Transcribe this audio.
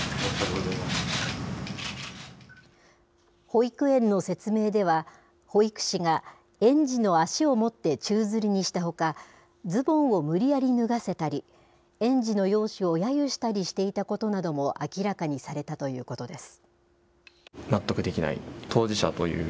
保育園の説明では、保育士が園児の足を持って宙づりにしたほか、ズボンを無理やり脱がせたり、園児の容姿をやゆしたりしていたことなども明らかにされたということです。